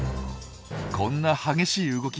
こんな激しい動き